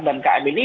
dan km ini